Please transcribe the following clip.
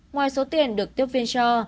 ngoài số tiền được tiếp viên cho